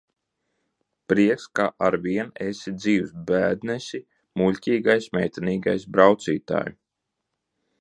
Prieks, ka arvien esi dzīvs, Bēdnesi, muļķīgais, meitenīgais braucītāj!